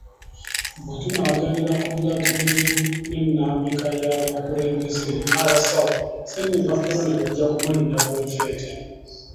Bwetunaagendera ku biragiro ne nnambika y'abakulembeze n'abasawo, ssenyiga kolona tujja kumulinnya ku nfeete.